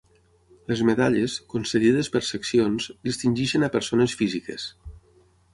Les medalles, concedides per seccions, distingeixen a persones físiques.